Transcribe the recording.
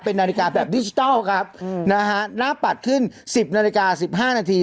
เป็นนาฬิกาแบบดิจิทัลครับนะฮะหน้าปัดขึ้น๑๐นาฬิกา๑๕นาที